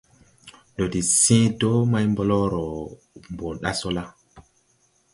Ndɔ de sẽẽ dɔɔ may blɔɔrɔ mo ɗa sɔ la.